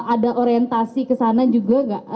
ada orientasi kesana juga nggak